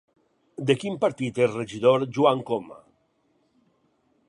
De quin partit és regidor Joan Coma?